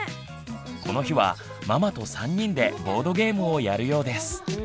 この日はママと３人でボードゲームをやるようです。